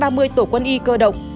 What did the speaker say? tại năm trăm ba mươi tổ quân y cơ động